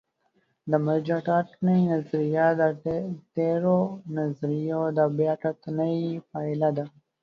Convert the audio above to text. د مرجع ټاکنې نظریه د تېرو نظریو د بیا کتنې پایله ده.